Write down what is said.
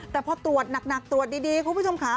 แต่พอตรวจหนักตรวจดีคุณผู้ชมค่ะ